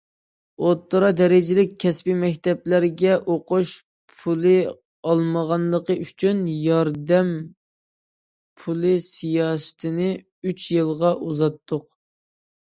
ئوتتۇرا دەرىجىلىك كەسپىي مەكتەپلەرگە ئوقۇش پۇلى ئالمىغانلىقى ئۈچۈن ياردەم پۇلى سىياسىتىنى ئۈچ يىلغا ئۇزارتتۇق.